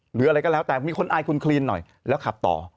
หรืออะไรก็แล้วแต่มีคนอายคุณคลีนหน่อยแล้วขับต่อ